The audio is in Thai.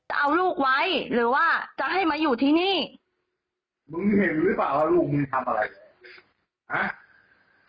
จะเอาลูกไว้หรือว่าจะให้มาอยู่ที่นี่มึงเห็นหรือเปล่าว่าลูกมึงทำอะไรฮะ